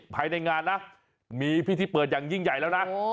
ภายในงานนะมีพิธีเปิดอย่างยิ่งใหญ่แล้วนะ